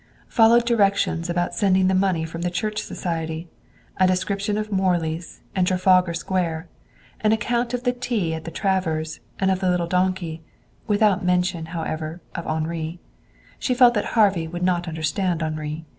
Followed directions about sending the money from the church society, a description of Morley's and Trafalgar Square, an account of tea at the Travers', and of the little donkey without mention, however, of Henri. She felt that Harvey would not understand Henri.